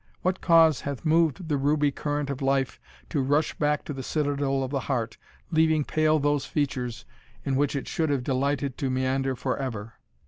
What cause hath moved the ruby current of life to rush back to the citadel of the heart, leaving pale those features in which it should have delighted to meander for ever?